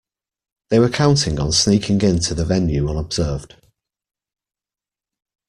They were counting on sneaking in to the venue unobserved